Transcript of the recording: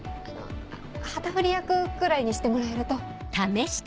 「旗振り役」くらいにしてもらえると。